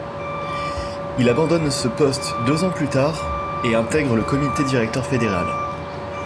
Il abandonne ce poste deux ans plus tard et intègre le comité directeur fédéral.